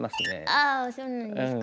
あそうなんですか。